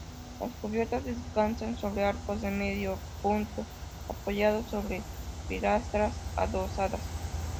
Las cubiertas descansan sobre arcos de medio punto apoyados sobre pilastras adosadas.